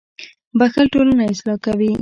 • بښل ټولنه اصلاح کوي.